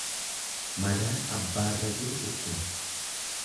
Madaan abbaarra jiru dhukkuba.